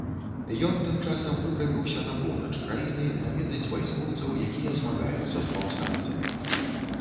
Ён тым часам выправіўся на поўнач краіны наведаць вайскоўцаў, якія змагаюцца з паўстанцамі.